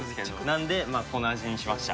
なのでこの味にしました。